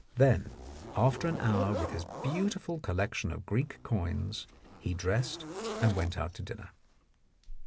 Then after an hour with his beautiful collection of Greek coins he dressed and went out to dinner.